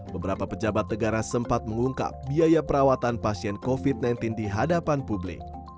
beberapa pejabat negara sempat mengungkap biaya perawatan pasien covid sembilan belas di hadapan publik